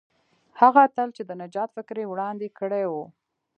هغه اتل چې د نجات فکر یې وړاندې کړی وو.